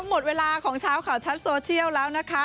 หมดเวลาของชาวเคราะห์ชัดโซเซียล